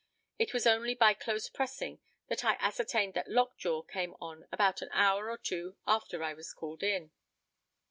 It was only by close pressing that I ascertained that lock jaw came on about an hour or two after I was called in.